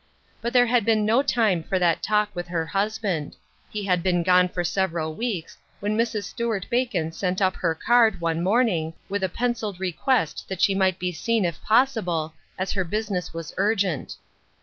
But there had been no time for that talk with her husband. He had been gone for several weeks, when Mrs. Stuart Bacon sent up her card, one morning, with a pen ciled request that she might be seen if possible, as her business was urgent.